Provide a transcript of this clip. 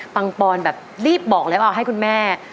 ปอนแบบรีบบอกแล้วว่าให้คุณแม่